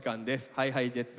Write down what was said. ＨｉＨｉＪｅｔｓ